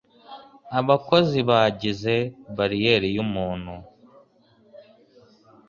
Abakozi bagize bariyeri yumuntu.